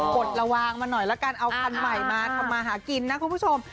ดระวังมาหน่อยละกันเอาคันใหม่มาทำมาหากินนะคุณผู้ชม